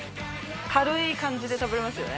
軽い感じで食べられますよね。